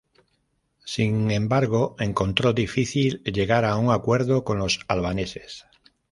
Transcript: Sin embargo, encontró difícil llegar a un acuerdo con los albaneses.